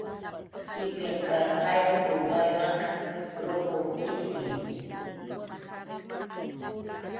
"Ipinhq jaynp""r may janq' ruqw p'itxki"